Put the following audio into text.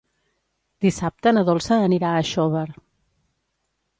Dissabte na Dolça anirà a Xóvar.